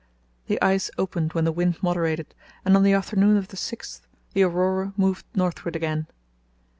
The ice opened when the wind moderated, and on the afternoon of the 6th the Aurora moved northward again.